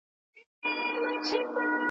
د مور ملوکي سرې دي نوکي.